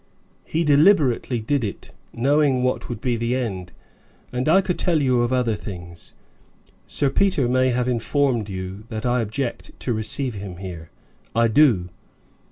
He deliberately did it knowing what would be the end. And I could tell you of other things. Sir Peter may have informed you that I object to receive him here. I do.